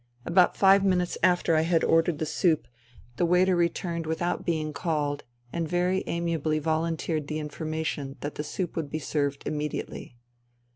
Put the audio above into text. About five minutes after I had ordered soup the waiter returned without being called and very amiably volunteered the information that the soup would be served immediately.